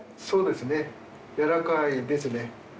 そうですねやわらかいですね。